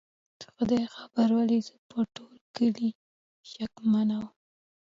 خدای خبر ولې زه په ټول کلي شکمنه ومه؟